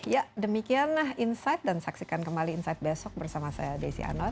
ya demikian insight dan saksikan kembali insight besok bersama saya desi anwar